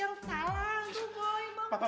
iya panggil dokter